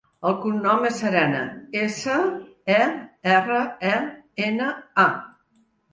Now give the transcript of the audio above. El cognom és Serena: essa, e, erra, e, ena, a.